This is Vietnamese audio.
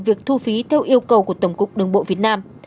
việc thu phí theo yêu cầu của tổng cục đường bộ việt nam